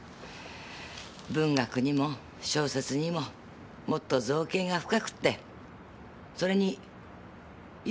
文学にも小説にももっと造詣が深くってそれに読む能力も高いと。